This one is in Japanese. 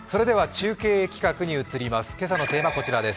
中継企画に移ります。